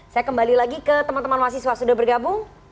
saya kembali lagi ke teman teman mahasiswa sudah bergabung